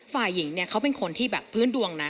ฝ่ายหญิงเนี่ยเขาเป็นคนที่แบบพื้นดวงนะ